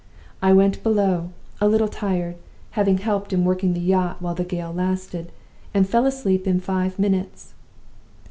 I went below, a little tired (having helped in working the yacht while the gale lasted), and fell asleep in five minutes.